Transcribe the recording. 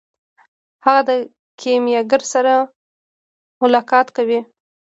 هغه د کیمیاګر سره ملاقات کوي.